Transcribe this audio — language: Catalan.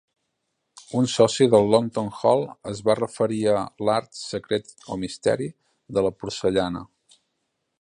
Un soci del Longton Hall es va referir a "L'art, secret o misteri" de la porcellana.